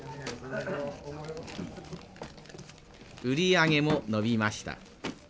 売り上げも伸びました。